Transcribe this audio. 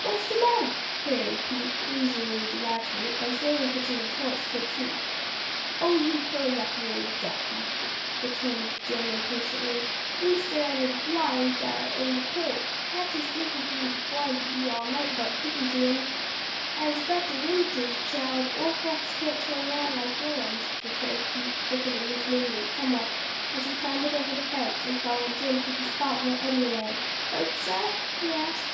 "What's de mattah?" queried Pete, leisurely dismounting and slowly hitching his horse to a tree. "Oh you hurry up, you ole darky!" returned Jim impatiently. "Mr. Ed'ard's lyin' dar in de cold; 'catch his diff if you's gwine to be all night 'bout gittin' to him." "Ise got de rheumatiz, chile; ole folks can't turn roun' like young uns," returned Pete quickening his movements somewhat as he clambered over the fence and followed Jim to the spot where Eddie lay. "Hurt, sah?" he asked.